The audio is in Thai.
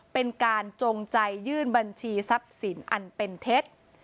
เป็นการจงใจยื่นบัญชีทรัพย์สินอันเป็นเท็จ